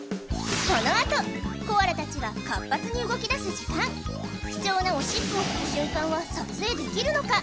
このあとコアラ達が活発に動きだす時間貴重なおしっこをする瞬間は撮影できるのか？